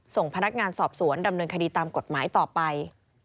ส่งพนักงานสอบสวนดำเนินคดีตามกฎหมายต่อไป